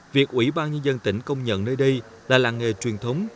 việc ủy ban nhân dân tỉnh công nhận nơi đây là làng nghề truyền thống